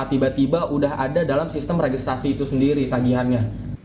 tiba tiba sudah ada dalam sistem registrasi itu sendiri tagihannya